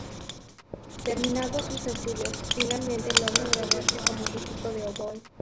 Terminados sus estudios finalmente logra graduarse como músico de oboe.